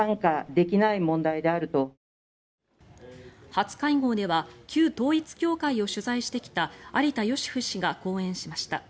初会合では旧統一教会を取材してきた有田芳生氏が講演しました。